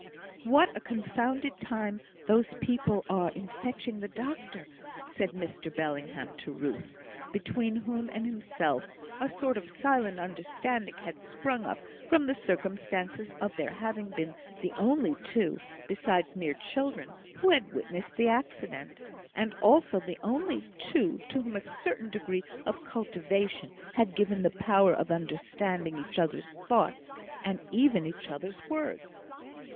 "What a confounded time these people are in fetching the doctor," said Mr Bellingham to Ruth, between whom and himself a sort of silent understanding had sprung up from the circumstance of their having been the only two (besides mere children) who had witnessed the accident, and also the only two to whom a certain degree of cultivation had given the power of understanding each other's thoughts and even each other's words.